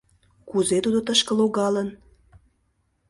«Кузе тудо тышке логалын?